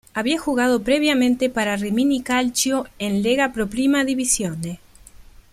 Había jugado previamente para Rimini Calcio en Lega Pro Prima Divisione.